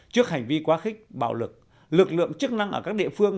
trước hành vi quá khích bạo lực lực lượng chức năng ở các địa phương